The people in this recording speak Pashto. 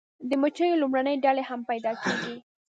د مچیو لومړنۍ ډلې هم پیدا کیږي